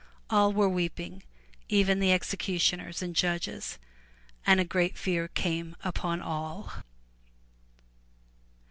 All were weeping, even the executioners and judges, and a great fear came upon all.